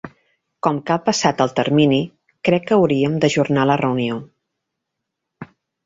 Com que ha passat el termini, crec que hauríem d'ajornar la reunió.